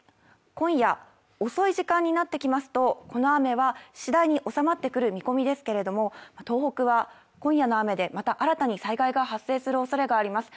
今夜、遅い時間になってきますとこの雨はしだいに収まってくる見込みですけれども、東北は今夜の雨でまた新たに災害が発生するおそれがあります。